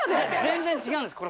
全然違うんです